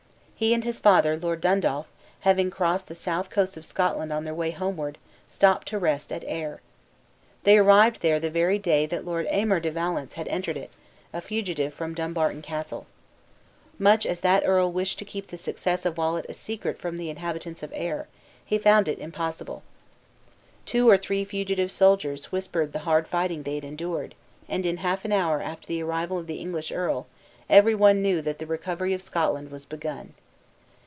He and his father, Lord Dundaff, having crossed the south coast of Scotland on their way homeward, stopped to rest at Ayr. They arrived there the very day that Lord Aymer de Valence had entered it, a fugitive from Dumbarton Castle. Much as that earl wished to keep the success of Wallace a secret from the inhabitants of Ayr, he found it impossible. Two or three fugitive soldiers whispered the hard fighting they had endured; and in half an hour after the arrival of the English earl, every one knew that the recovery of Scotland was begun.